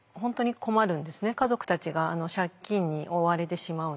家族たちが借金に追われてしまうので。